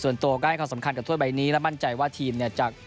ตัวก็ให้ความสำคัญกับถ้วยใบนี้และมั่นใจว่าทีมเนี่ยจะ